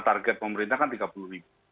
target pemerintah kan tiga puluh ribu